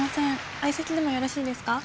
相席でもよろしいですか？